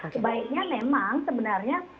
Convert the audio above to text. sebaiknya memang sebenarnya